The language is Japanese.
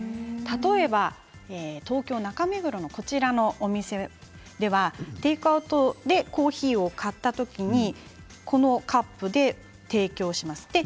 例えば東京・中目黒のこちらのお店ではテイクアウトでコーヒーを買ったときにこのカップで提供します。